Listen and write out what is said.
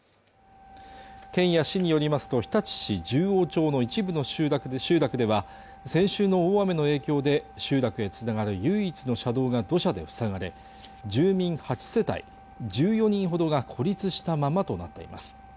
県や市によりますと日立市十王町の一部の集落では先週の大雨の影響で集落につながる唯一の車道が土砂で塞がれ住民８世帯１４人ほどが孤立したままとなっています